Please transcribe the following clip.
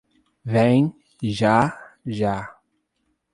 Vem, já, já...